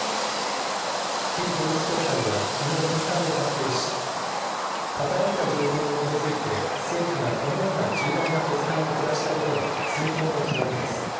旧統一教会はきのう、見解を発表し、偏った情報に基づいて、政府がこのような重大な決断を下したことは痛恨の極みです。